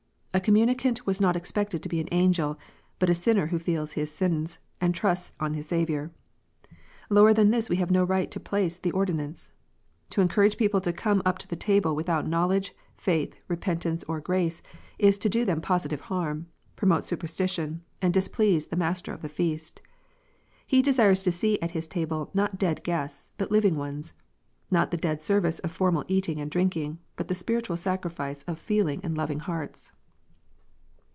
A communicant was not expected to be an angel, but a sinner who feels his sins, and trusts in his Saviour. Lower than this we have no right to place the ordinance. To encour age people to come up to the Table without knowledge, faith, repentance, or grace, is to do them positive harm, promote superstition, and displease the Master of the feast. He desires to see at His Table not dead guests, but living ones, not the dead service of formal eating and drinking, but the spiritual sacrifice of feeling and loving hearts.